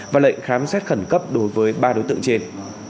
và lệnh khám xét khẩn cấp đối với ba đối tượng trên